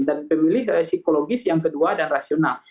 dan pemilih psikologis yang kedua dan rasional